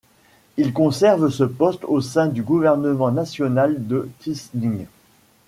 Il conserve ce poste au sein du Gouvernement national de Quisling.